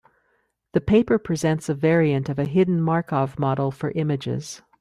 The paper presents a variant of a hidden Markov model for images.